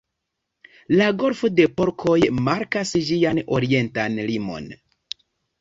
La Golfo de Porkoj markas ĝian orientan limon.